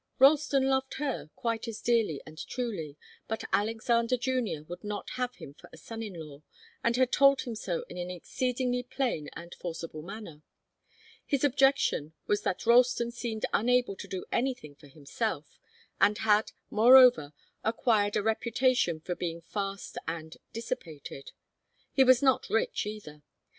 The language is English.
Ralston loved her quite as dearly and truly, but Alexander Junior would not have him for a son in law, and had told him so in an exceedingly plain and forcible manner. His objection was that Ralston seemed unable to do anything for himself, and had, moreover, acquired a reputation for being fast and dissipated. He was not rich, either.